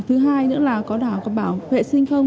thứ hai nữa là có đảo có bảo vệ sinh không